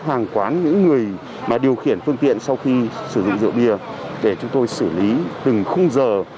hàng quán những người mà điều khiển phương tiện sau khi sử dụng rượu bia để chúng tôi xử lý từng khung giờ